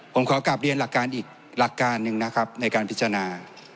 ผมขอกลับเรียนหลักการอีกหลักการหนึ่งนะครับในการพิจารณา